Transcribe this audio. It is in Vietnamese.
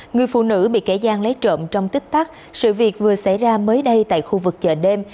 người phụ nữ bị kẻ gian lấy trộm trong tích tắc sự việc vừa xảy ra mới đây tại khu vực chợ đêm